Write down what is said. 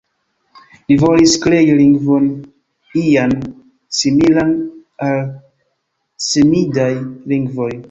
Li volis krei lingvon ian similan al semidaj lingvoj.